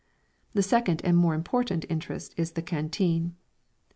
The second and more important interest is the canteen.